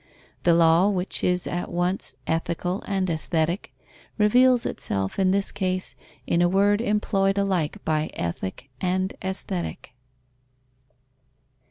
The law, which is at once ethical and aesthetic, reveals itself in this case in a word employed alike by Ethic and Aesthetic.